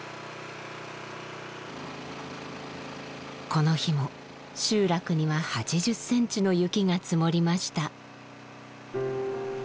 この日も集落には８０センチの雪が積もりました。